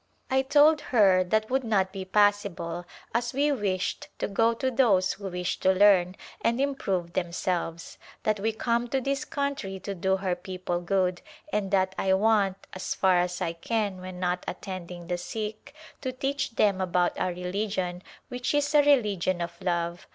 I told [8i] A Glimpse of India her that would not be possible as we wished to go to those who wish to learn and improve themselves ; that we come to this country to do her people good and that I want, as far as I can when not attending the sick, to teach them about our religion which is a relig ion of love.